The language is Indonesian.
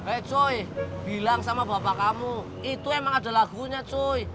eh cuy bilang sama bapak kamu itu emang ada lagunya cuy